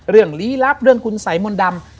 ลี้ลับเรื่องคุณสัยมนต์ดำ